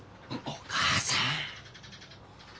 お母さん！